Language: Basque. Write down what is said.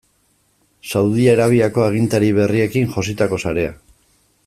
Saudi Arabiako agintari berriekin jositako sarea.